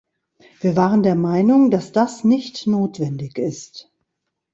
Wir waren der Meinung, dass das nicht notwendig ist.